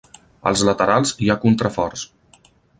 Als laterals hi ha contraforts.